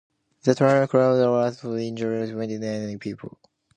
The tornado claimed one life and injured twenty-eight people.